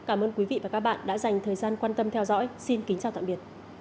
cảm ơn các bạn đã theo dõi và hẹn gặp lại